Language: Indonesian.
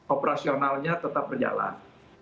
operasionalnya tetap berjalan